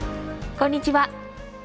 こんにちは。